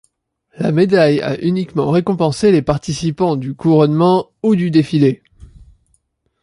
La médaille a uniquement récompensé les participants du couronnement, ou du défilé.